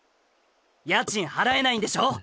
家賃払えないんでしょ！？